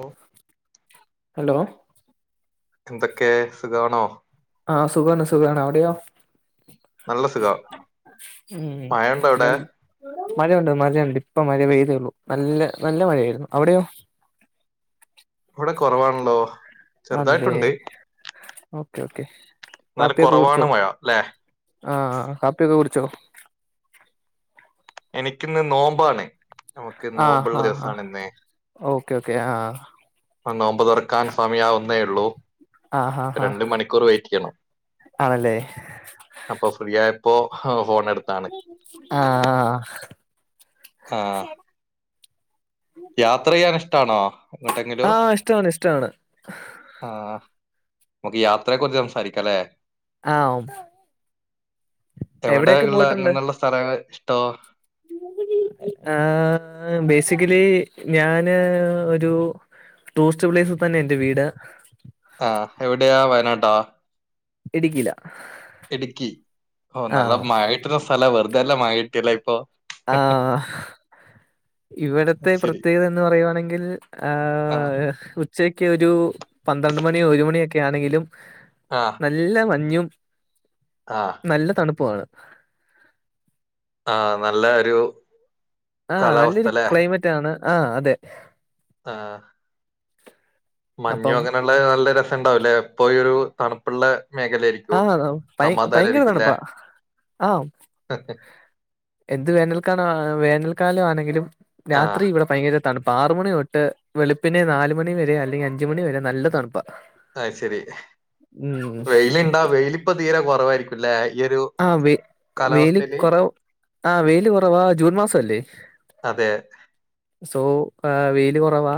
ഓ hello എന്തൊക്കെ സുഖാണോ ആഹ സുഖാണ് സുഖാണ് അവിടെയോ നല്ല സുഖം ഉം മഴയുണ്ടോ പിന്നെ അവിടെ മഴയുണ്ട് മഴയുണ്ട് ഇപ്പ മഴ പെയ്തേള്ളു നല്ല നല്ല മഴയായിരുന്നു അവിടെയോ [inaudible] ഇവിടെ കൊറവാൺളോ അല്ലേ ഓക്കെ ഓക്കെ എന്നാലും കാപ്പിയൊക്കെ കുറവാണ് കുടിച്ചോ മഴ അല്ലെ ആ ആ കാപ്പിയൊക്കെ കുടി ച്ചോ എനിക്കിന്ന് നോമ്പാണെ നമുക്ക് ആഹ് നോമ്പ്ള്ള ആഹ് ആഹ് ദിവസാണ് ഇന്നെ ഓക്കെ ഓക്കെ ആഹ് പ്പം നോമ്പ് തുറക്കാൻ സമയാവുന്നേ ഒള്ളൂ ആഹ് ആഹ് ആഹ് രണ്ട് മണിക്കൂർ വെയ് റ്റെയ്യണം ആണല്ലേ അപ്പൊ ഫ്രീ ആയപ്പോ ഹ് ഫോൺ എടുത്താണ് ആഹ് ആഹ് യാത്രെയ്യാൻ ഇഷ്ട്ടാണോ എങ്ങോട്ടെങ്കിലും ആഹ് ഇഷ്ടമാണ് ഇഷ്ടമാണ് ആഹ നമുക്ക് യാത്രയെക്കുറിച്ച് സംസാരിക്കാലേ ആഹ് എവിടെയൊക്കെ എവിടെയുള്ള പോയിട്ടുണ്ട് അങ്ങനുള്ള സ്ഥലങ്ങൾ ഇഷ്ട്ടോ [inaudible] ആ ബേസിക്കലി ഞാന് ഒരു ടൂറിസ്റ്റ് പ്ലേസിൽ തന്നെ എന്റെ വീട് താ ഇടുക്കീല ഇടുക്കി ഓ നല്ല ആഹ് മയ കിട്ടുന്ന സ്ഥലാ വെറുതെയല്ല മയ കിട്ടിയേല്ലേ ഇപ്പൊ ആഹ് അത് ഇവടത്തെ ശരി പ്രത്യേകത എന്ന് പറയുവാണെങ്കിൽ ആ ആഹ് ഉച്ചയ്ക്ക് ഒരു പന്ത്രണ്ട് മണിയൊരു മണിയൊക്കെ ക്കെയാന്നെങ്കിലും ആ നല്ല മഞ്ഞും ആ നല്ല തണുപ്പുവാണ് ആഹ് നല്ലാ ഒരു ആഹ് കാലാവസ്ഥ നല്ലൊരു ക്ലൈമറ്റാണ് ആഹ് അതെ ആഹ് മഞ്ഞു അപ്പം അങ്ങനൊള്ള നല്ല രസണ്ടാവുല്ലേ ഇപ്പൊ ഈ ഒരു തണുപ്പ്ള്ള ആഹ് ഭയ് ഭയങ്കര തണ്പ്പാ ആഹ് എന്ത് വേനൽക്കാലവാ വേനൽക്കാലവാണെങ്കിലും ആ രാത്രി ഇവിടെ ഭയങ്കര തണ്പ്പാ ആറു മണി തൊട്ട് വെളുപ്പിന് നാല് മണി വരെ അല്ലെങ്കി അഞ്ച് മണി വരെ നല്ല തണുപ്പാ അയ് ശെരി ഉം വെയിലിണ്ടാ വെയിലിപ്പ തീരെ കൊറവായിരിക്കുംല്ലേ അയ് ആഹ് വെയ് വെയില് കൊറവ് ആഹ് വെയില് കൊറവാ ജൂൺ മാസവല്ലേ അതെ സോ ആഹ് വെയില് കൊറവാ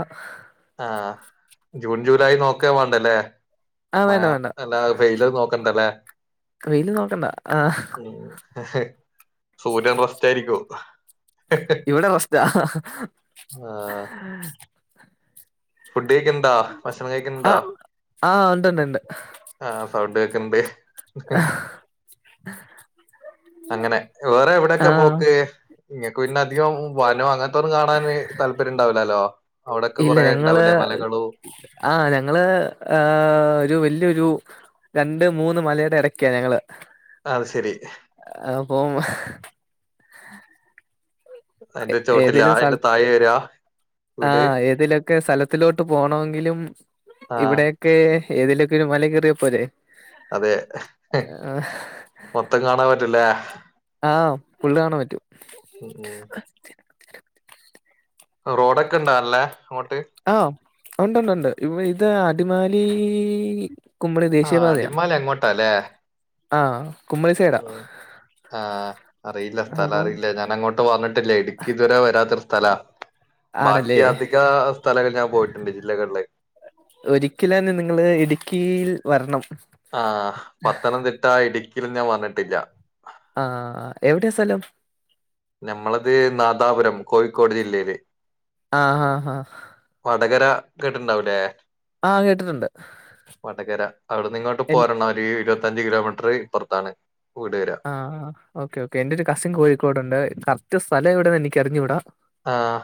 ആഹ് ജൂൺ ജൂലൈ നോക്കേ വേണ്ടല്ലേ ആഹ് മയ വേണ്ട വേണ്ട അല്ലാ വെയില് നോക്കണ്ടല്ലേ വെയില് നോക്കണ്ട ആഹ് സൂര്യൻ റെസ്റ്റായിരിക്കും ഇവടെ റെസ്റ്റാ ആ ഫുഡ് കഴിക്കൻണ്ടാ ഭക്ഷണം കഴിക്കൻണ്ടാ ആഹ് ആഹ് ഉണ്ട്ണ്ട്ണ്ട് ആഹ് സൗണ്ട് കേക്കൻണ്ട് അങ്ങനെ വേറെ എവിടേക്കാ ആഹ് പോക്ക് ഇങ്ങക്ക് പിന്നധികോം വനോ അങ്ങനത്തൊന്നും കാണാന് താല്പര്യണ്ടാവൂലാലോ ഇല്ല ഞങ്ങള് ആഹ് ഞങ്ങള് ആ ഒരു വല്ല്യൊരു രണ്ട് മൂന്ന് മലയുടെ എടയ്ക്കാ ഞങ്ങള് അത് ശെരി അപ്പോം അയിന്റെ ചോട്ടിലാ അയ്ന്റെ തായേ വര്ആ ആഹ് ഏതേലൊക്കെ സ്ഥലത്തിലോട്ട് പോണമെങ്കിലും ആഹ് ഇവിടെയൊക്കേ ഏതേലൊക്കെയൊരു മല കേറിയാ പോരെ അതെ മൊത്തം കാണാൻ പറ്റൂല്ലേ ആഹ് ഫുള്ള് കാണാൻ പറ്റും ഉം ഉം റോഡൊക്കെ ഇണ്ടാല്ലേ ആഹ് ഒണ്ടൊണ്ടുണ്ട് ഇവ് ഇത് അടിമാലീ കുമളി ആഹ് ദേശീയപാതയാ അടിമാലി അങ്ങോട്ടാല്ലേ ആഹ് കുമ്മളി സൈഡാ ആഹ് അറിയില്ല അപ്പം സ്ഥലറിയില്ല ഞാൻ അങ്ങോട്ട് വന്നിട്ടില്ലേ ഇടുക്കിതുവരെ വരാത്തൊരു സ്ഥലാ ബാക്കി ആണല്ലേ അധികാ സ്ഥലങ്ങൾ ഞാൻ പോയിട്ടുണ്ട് ജില്ലകള്ള് ഒരിക്കല് അന്നെ നിങ്ങള് ഇടുക്കീൽ ആഹ് പത്തനംതിട്ട ഇടുക്കിലൊന്ന് ഞാൻ വന്നട്ടില്ല ആഹ് എവിടെയാ സലം ഞമ്മളത് നാദാപുരം കോഴിക്കോട് ജില്ലേല് ആഹാഹാ കേട്ടിണ്ടാവൂല്ലേ കേട്ടിട്ടുണ്ട് വടകര അവിടന്നിങ്ങോട്ട് എൻ പോരണം ഒരു ഇരുവത് ത്തഞ്ച് കിലോമീറ്റർ ഇപ്പറത്താണ് ആഹ് ആഹ് ഓക്കെ ഓക്കെ എൻ്റൊരു കസിൻ കോഴിക്കോടൊണ്ട് കറക്റ്റ് സ്ഥല എവിടേന്നെനിക്കറിഞ്ഞൂടാ ആഹ്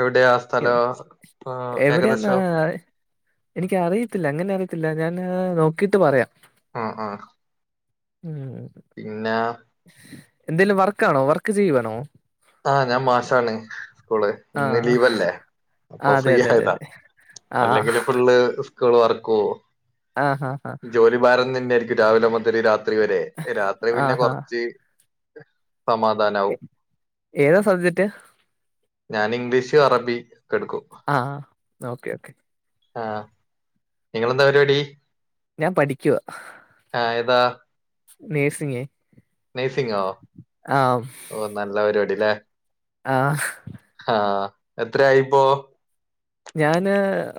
എവിടെയാ സ്ഥലോ എവ് ഉം എവിടെയാന്ന് ഏകദേശം എനിക്ക് അറിയത്തില്ല അങ്ങനെ അറിയത്തില്ല ഞാന് നോക്കീട്ട് പറയാം ആഹ് ആഹ് ഉം പിന്നെ എന്തേങ്കലും വർക്ക് ആണോ വർക്ക് ചെയ്യുവാണോ ആഹ ഞാൻ മാഷാണ് സ്കൂള് ആ ഇന്ന് ലീവ് അല്ലേ ആ അപ്പൊ അതെ ഫ്രീ അതെ അതെ ആയതാ അതെ ആ അല്ലെങ്കില് ഫുള്ള് സ്കൂള് വർക്കും ആ ആ ആ ജോലി ഭാരം തന്നൊയായിരിക്കും രാവിലെ മുതൽ രാത്രി വരെ രാത്രി ആ പിന്നെ ആ കൊറച്ച് സമാധാനാവും എ- ഏതാ സബ്ജക്റ്റ് ഞാൻ ഇംഗ്ലീഷ് അറബി ഒക്കെ എടുക്കും ഓക്കേ ഓക്കേ ആഹ നിങ്ങളെന്താ പരിപാടി ഞാൻ പഠിക്കുവാ ആ ഏതാ നേഴ്സിങ് നെഴ്സിങ്ങോ ഓ നല്ല പരിപാടി ല്ലേ ആഹ ആഹ എത്രയായിപ്പോ ഞാന്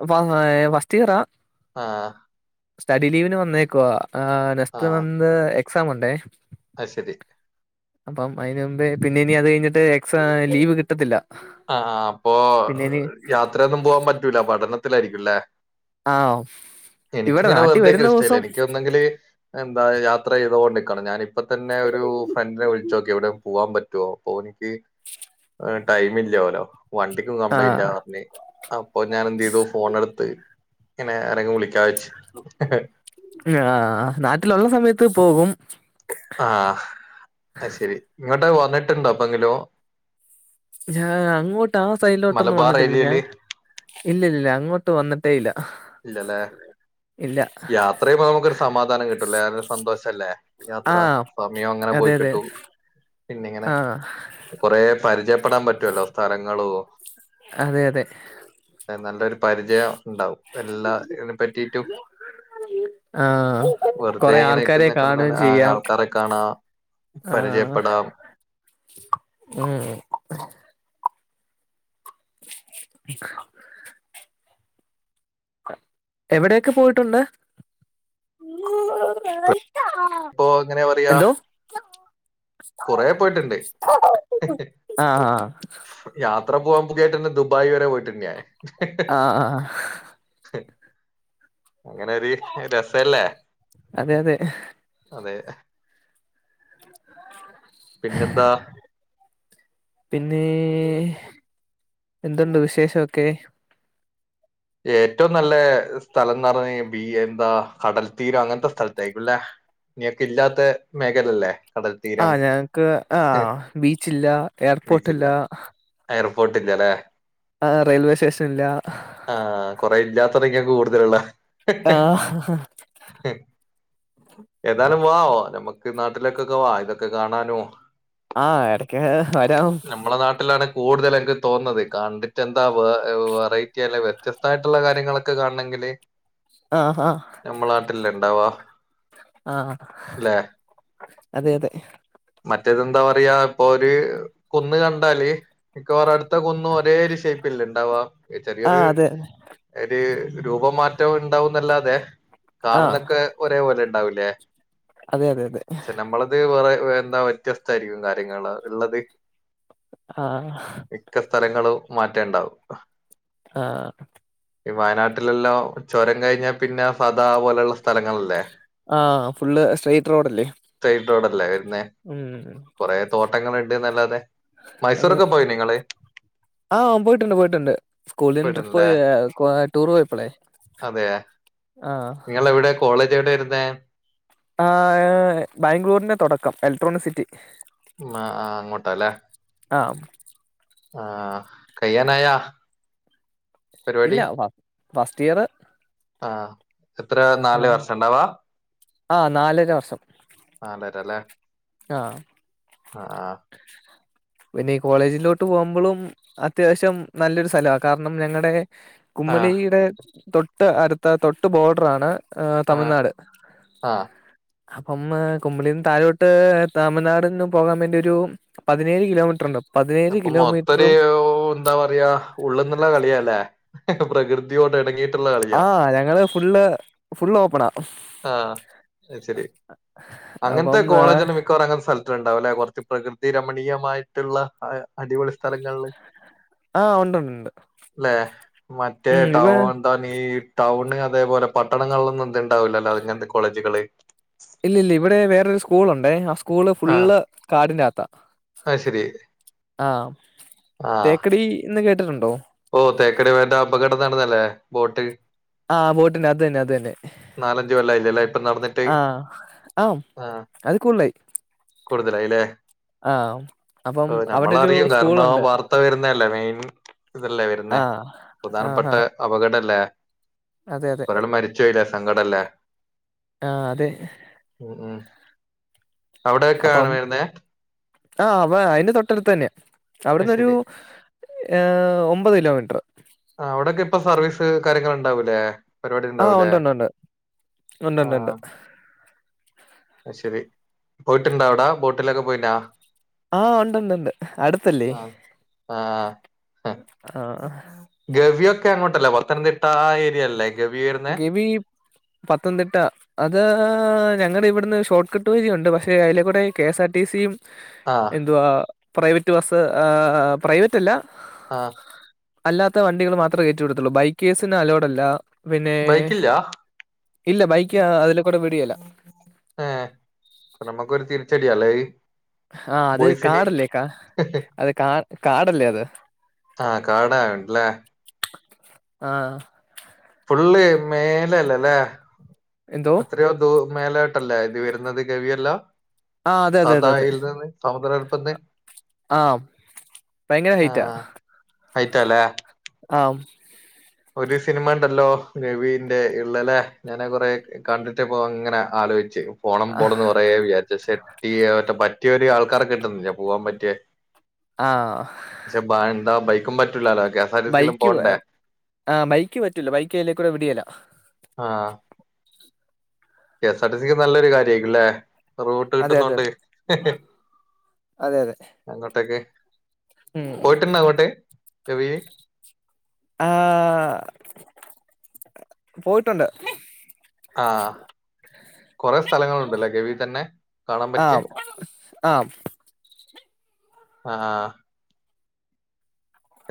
വ ഫസ്റ്റ്ഇയറാ ആഹ സ്റ്റഡി ലീവിന് വന്നേക്കുവാ നെസ്റ്റ് വന്ന് എക്സാം ഉണ്ടേ അ ശരി അപ്പം അതിനന് മുമ്പേ പിന്നെ ഇനി അത് കഴിഞ്ഞിട്ട് എക്സ ലീവ് കിട്ടത്തില്ല ആ അപ്പൊ പിന്നെ ഇനി യാത്രയൊന്നും പോവാൻ പറ്റൂല പഠനത്തിലായിരിക്കുംല്ലെ ആഹ എനിക്കിങ്ങനെ വെറുതെ നിക്കാൻ ഇഷ്ടല്ല എനക്ക് ഒന്നെങ്കില് എന്താ യാത്ര ചെയ്തോണ്ട് ക്കണം ഞാനിപ്പം തന്നെ ഒരു ഫ്രണ്ടിനെ വിളിച്ച ച്ചോക്കി എവിടെ പോവാൻ പറ്റുവോ ഓനിക്ക് ടൈം ഇല്ലോലൊ വണ്ടിക്കും കംപ്ലൈന്റാ ആഹ് പറഞ് അപ്പോ ഞാൻ എന്തെയ്തു ഫോൺ എടുത്ത് ഇങ്ങനെ ആർരെങ്കി വിളിക്ക ആഹ നാട്ടില് ഉള്ള സമയത്ത് പോകും ആഹ് അത് ശെരി ഇങ്ങോട്ട് വന്നിട്ടുണ്ടോ എപ്പോ എങ്കിലോ ഞാൻ അങ്ങോട്ട് ആ സൈഡിലോട്ടൊന്നും മലബാർ വന്നിട്ടില്ല ഞാൻ ഏരിയയില് ഇല്ലില്ല അങ്ങോട്ട് വന്നിട്ടേ ഇല്ല ഇല്ലലെ ഇല്ല യാത്രയുമ്പം നമുക്കൊരു സമാധാനം കിട്ടൂലേ ഒര് സന്തോഷം ഷല്ലേ യാത്ര ആഹ് സമയം അങ്ങനെ അതെ പോയി അതെ കിട്ടും പിന്നിങ്ങനെ ആഹ് കൊറേ പരിചയപ്പെടാൻ പറ്റുവല്ലോ സ്ഥലങ്ങളും അതെ അതെ അ നല്ലൊരു പരിചയം ഉണ്ടാവും എല്ലാ ഇതിനെ പറ്റിട്ടും ആഹ് വെറുതെ കൊറെ ഇങ്ങനെ ആൾക്കാരെ നിക്കുന്നക്കാളും കാണുകയും നല്ലേ ചെയ്യാം ആൾക്കാരെ കാണാ ആഹ് പരിചയപ്പെടാം ഉം [unintelligible] എവിടെയൊക്കെ പോയിട്ടുണ്ട് ഇപ്പൊ എങ്ങനെ പറയാ എന്തോ കുറെ പോയിട്ടുണ്ട് ആ യാത്ര പോവാൻ പൂതിയായിട്ട് ദുബായി വരെ പോയിട്ടുണ്ട് ഞാൻ ആഹ ആ അങ്ങനെ ഒരു രസല്ലേ അതെ അതെ അതെ പിന്നെന്താ പിന്നെ എന്തുണ്ട് വിശേഷമൊക്കെ ഏറ്റവും നല്ല സ്ഥലംന്ന് പറഞ്ഞ ബി എന്താ കടൽത്തീരം അങ്ങനത്തെ സ്ഥലത്ത് ആയിരിക്കുംല്ലെ നിങ്ങക്ക് ഇല്ലാത്ത മേഖല അല്ലേ കടൽ ആ തീരം ഞങ്ങക്ക് ആ ബീച്ചില്ല എയർപോർട്ടില്ല പോട്ടില്ലലെ ആ റെയിൽവേ സ്റ്റേഷൻ ഇല്ല ആഹ കൊറെ ഇല്ലാത്തടങ്ങളാ കൂടുതലുളേ ആ ഏതാലും വാ നമ്മക്ക് നാട്ടിലേക്കൊക്കെ വാ ഇതൊക്കെ കാണാനും ആഹ് എടക്ക് വരാം നമ്മളെ നാട്ടിലാണ് കൂടുതൽ എനിക്ക് തോന്നുന്നത് കണ്ടിട്ട് എന്താ വെറൈറ്റി അല്ല വ്യത്യസ്തായിട്ടുള്ള കാര്യങ്ങളൊക്കെ കാണണെങ്കിൽ ല് ആ ആ നമ്മളെ നാട്ടിലല്ലേ ണ്ടാവ ആഹ് അതെ അതെ മറ്റേത് എന്താ പറയാ ഇപ്പൊ ഒരു കുന്ന് കണ്ടാല് മിക്കവാറും അടുത്ത കുന്നും ഒരേ ഒരു ഷേപ്പല്ല ഇണ്ടാവാ ആ ചെറിയൊരു അതെ ഒരു രൂപമാറ്റം ഉണ്ടാവുന്നല്ലാതെ ആ കാണുന്നൊക്കെ ഒരേപോലെ ഇണ്ടാവൂലേ അതെ അതെ അതെ പക്ഷെ നമ്മളത് വേറെ വേ എന്താ വ്യത്യസ്ത ആയിരിക്കും കാര്യങ്ങള് ള്ളത് ആഹ് സ്ഥലങ്ങള് മാറ്റേണ്ടാവും ആ ഈ വയനാട്ടിലെല്ലാം ചുരം കഴിഞ്ഞാൽ പിന്നെ സദാ പോലെയുള്ള സ്ഥ സ്ഥലങ്ങളല്ലേ ആ ഫുള്ള് സ്ട്രെയിറ്റ് റോഡല്ലേ സെയിം റോഡ് അല്ലേ വരുന്നെ ഉം കൊറെ തോട്ടങ്ങളുണ്ട് ന്നല്ലാതെ മൈസൂരോക്കെ പോയി നിങ്ങള് ആ പോയിട്ടുണ്ട് പോയിട്ടുണ്ട് സ്കൂളിന് ട്രിപ്പ് പോയി ടൂർ പോയപ്പോളെ അതെയ നിങ്ങൾ എവിടെ കോളേജ് എവിടെ വരുന്നേ ആ ബാംഗ്ലൂരിന്റെ തുടക്കം എലക്ട്രോണിക് സിറ്റി മ ആ ആ അങ്ങോട്ടല്ലേ ആ ആ കയ്യാനായാ ഇല്ല ഫ ഫസ്റ്റ് ഇയർ ആ എത്രയാ നാല് വർഷ ഉണ്ടാവാ ആഹ് നാലര വർഷം നാലര ല്ലേ ആഹ് ആ ആ പിന്നെ ഈ കോളേജിലോട്ട് പോകുമ്പോളും അത്യാവശ്യം നല്ലൊരു സ്ഥലവാ കാരണം ഞങ്ങടെ ആ കുമ്മളീയുടെ തൊട്ട് അടുത്ത തൊട്ട് ബോർഡർ ആണ് ആ തമിഴ്നാട് ആ അപ്പം കുമ്പളീന്ന് തഴോട്ട ട്ട് തമിഴ്നാട് നിന്നും പോകാൻ വേണ്ടി ഒരു പതിനേഴ് കിലോമീറ്റർ ഉണ്ട് പതിനേഴ് അപ്പൊ മൊത്തര് കിലോമീറ്ററും ഊ എന്താ പറയാ ഉള്ള്ന്നുള്ള കളിയാല്ലേ പ്രകൃതിയോടെ ഇണങ്ങിയിട്ട് ആ ഞങ്ങള് ഫുള്ള് ഫുള്ള് ആ ആയിശരി അങ്ങനത്തെ അപ്പം ആഹ് കോളേജ്ന്ന മിക്കവാറും അങ്ങനെത്തെ സ്ഥലത്താ ഉണ്ടാവലെ കുറച്ച് പ്രകൃതി രമണീയമായിട്ടുള്ള അടിപൊളി സ്ഥലങ്ങളില് ആഹ് ഉണ്ടുണ്ടുണ്ട് അല്ലെ മറ്റേ ഉം ഇവ ടൗൺന്താ ഈ ടൗൺ ണ് അതേപോലെ പട്ടണങ്ങളിലൊന്നും ഇത് ഉണ്ടാവില്ലല്ലോ ഇങ്ങനത്തെ കോളേജുകള് ഇല്ല ഇല്ല ഇവിടെ വേറരു സ്കൂളുണ്ടെ ആ സ്കൂള് ആ ഫുള്ള് കാടിന്റെ അകത്താ അത് ശരി ആഹ് ആ തേക്കടി എന്ന് കേ ഓ തേക്കടി വേണ്ട അപകടം നടന്നല്ലേ ബോട്ട് ആഹ് ബോട്ടിന്റെ അത് തന്നെ അത് തന്നെ നാലഞ്ച് കൊല്ലായില്ലല്ലേ ഇപ്പൊ നടന്നിട്ട് ആഹ് ആഹ് ആ അത് കൂളിലായി കൂടുതലായില്ലേ ആഹ് അപ്പം ആ അവിടെ ഒരു നമ്മളറിയും കാരണം സ്കൂളുണ്ട് വാർത്ത വരുന്നല്ലേ മെയിൻ ഇതല്ലേ വരുന്നേ ആഹ് പ്രധാനപ്പെട്ട ആഹാ അപകടല്ലേ അതെ അതെ ഒരാൾ മരിച്ച് കഴിഞ്ഞ സങ്കടല്ലേ ആ അതെ അവിടെക്കെയാണ് അപ്പം വരുന്നേ ആഹ് അവ അതിന്റെ തൊട്ടടുത്ത് തന്നെയാ അത് അവിടന്നൊരു ശരി ഏഹ് ഒമ്പത് കിലോമീ ആ അവിടൊക്കെ ഇപ്പൊ സർവീസ് കാര്യങ്ങൾ ഉണ്ടാവൂലേ പരിപാടി ആഹ് ഉണ്ടാവൂലേ ഉണ്ടുണ്ടുണ്ട് ഉണ്ടുണ്ടുണ്ട് ആഹ് ശരി പോയിട്ടുണ്ട അവിടാ ബോട്ടിലൊക്കെ പോയിനാ ആഹ് ഉണ്ടണ്ട്ണ്ട് അടുത്തല്ലേ ആ ആ ആഹ് അങ്ങോട്ടല്ല പത്തനംതിട്ട ആ ഏരിയല്ലേ ഗവി പത്തംതിട്ട അത് ഞങ്ങളടെ ഇവിടുന്ന് ഷോർട്ട് കട്ട് വഴിണ്ട് പക്ഷേ അതിലക്കൂടെ കെ എസ് ആർ ടി സിയും ആ എന്തുവാ പ്രൈവറ്റ് ബസ്സ് ഏഹ് പ്രൈവറ്റ് അല്ല ആഹ് അല്ലാത്ത വണ്ടികൾ മാത്രമേ കയറ്റി വിടത്തുള്ളൂ ബൈക്കേഴ്സിന് അലോഡ് അല്ല പിന്നെ ബൈക്കില്ല ഇല്ല ബൈക്ക് അതിലെ കൂടെ വിടിയേല്ല ഏ നമുക്കൊരു [unintelligible] ആഹ് അത് ബോയ്സിന് കാടല്ലേ കാ അത് കാ കാടല്ലേ അത് ആഹ് കാടായോണ്ടല്ലേ ആഹ് ഫുള്ള് മേലല്ലേല്ലേ എന്തോ എത്രയോ ദൂ മേലോട്ടല്ല ഇത് വരുന്നത് ഗവിയെല്ലാം ആഹ് അതെ അതെ അതെ അതെ സമുദ്രനിരപ്പിൽ നിന്ന് ആഹ് ഭയങ്കര ആ ഹൈറ്റാ [unintelligible] ആം ഒരു സിനിമ ഉണ്ടല്ലോ ഗവിന്റെ ഉള്ളലെ ഞാനെ കൊറെ കണ്ടിട്ട് പോ അങ്ങനെ ആലോയിച്ച് പോണം പോണംന്ന് കുറേ വിചാരിച്ച് ക്ഷെ [unintelligible] പറ്റിയ ഒരു ആൾക്കാര കിട്ടുന്നില്ല പോവാൻ പറ്റിയ ആ പക്ഷെ ബേണ്ട ബൈക്കും പറ്റൂലാലോ കെ എസ് ആർ ടിസിയിലും ബൈക്ക് പോണ്ടേ ആ ബൈക്ക് പറ്റൂല ബൈക്ക് അയിലെക്കൂടെ വിടെല ആ കെ എസ് ആർ ടി സിക്ക് നല്ലൊരു കാര്യയിരിക്കുംല്ലേ റൂട്ട് അതെ അതെ കിട്ടുന്നുണ്ട് അതെ അതെ അതെ അങ്ങോട്ടൊക്കെ ഉം പോയിട്ടുണ്ട അങ്ങോട്ട് ഗവില് ആഹ് പോയിട്ടുണ്ട് ആഹ് കുറെ സ്ഥലങ്ങളുണ്ടല്ലെ ഗവി തന്നെ കാണാൻ ആ പറ്റിയ ആ ആഹ്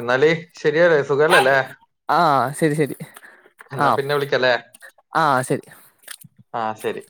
എന്നാല് ശരിയല്ലേ സുഖല്ലല്ലേ ആ ശരി ശരി ആ എന്നാ പിന്നെ വിളിക്കല്ലേ ആ ശരി ആഹ് ശരി